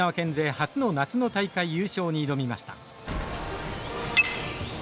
初の夏の大会優勝に挑みました。